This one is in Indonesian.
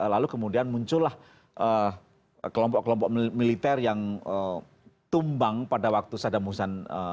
lalu kemudian muncullah kelompok kelompok militer yang tumbang pada waktu sadam husan